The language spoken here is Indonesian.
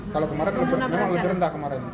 kalau kemarin memang lebih rendah kemarin